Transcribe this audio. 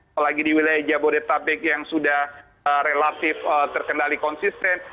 apalagi di wilayah jabodetabek yang sudah relatif terkendali konsisten